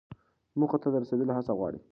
موخو ته رسیدل هڅه غواړي.